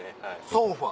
ソンファ？